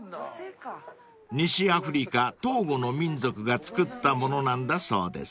［西アフリカトーゴの民族が作ったものなんだそうです］